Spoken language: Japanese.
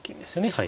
はい。